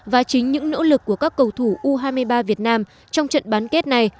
và chính những nỗ lực của các cầu thủ u hai mươi ba việt nam trong trận bán kết này